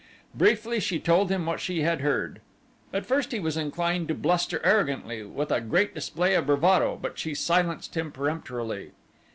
Briefly she told him what she had heard. At first he was inclined to bluster arrogantly, with a great display of bravado but she silenced him peremptorily.